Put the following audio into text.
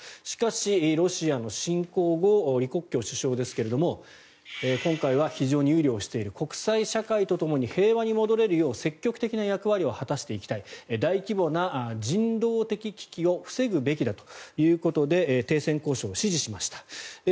しかし、ロシアの侵攻後李克強首相ですが今回は非常に憂慮をしている国際社会とともに平和に戻れるよう積極的な役割を果たしていきたい大規模な人道的危機を防ぐべきだということで停戦交渉を支持しました。